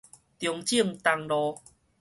中正東路